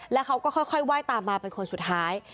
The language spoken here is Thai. แล้วเขาก็ค่อยไหว้ตามมาเป็นคนสุดท้าย